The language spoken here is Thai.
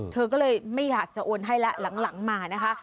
เธอก็เลยไม่อยากจะโอนให้แล้วหลังมานะคะ